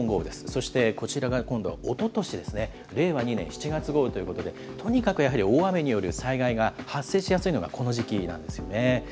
そしてこちらが今度はおととしですね、令和２年７月豪雨ということで、とにかくやはり大雨による災害が発生しやすいのがこの時期なんですよね。